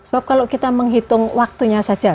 sebab kalau kita menghitung waktunya saja